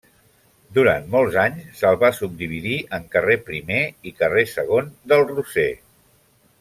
Durant molts anys se'l va subdividir en carrer Primer i carrer Segon del Roser.